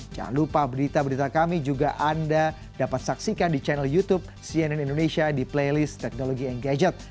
jangan lupa berita berita kami juga anda dapat saksikan di channel youtube cnn indonesia di playlist teknologi and gadget